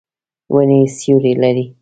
ونې سیوری لري.